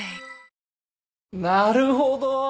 なるほど！